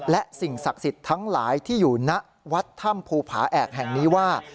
และสิ่งศักดิ์สิทธิ์ทั้งหลายที่อยู่ณวัดถ้ำภูผาแอกแห่งนี้ว่า